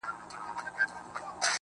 خلوت پر شخصيت د عبادت له مينې ژاړي,